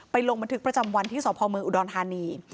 ไปลงบันทึกประจำวันที่สภอุดรธานี